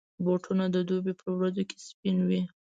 بوټونه د دوبي پر ورځو کې سپین وي.